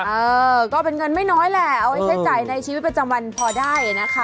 เออก็เป็นเงินไม่น้อยแหละเอาไว้ใช้จ่ายในชีวิตประจำวันพอได้นะคะ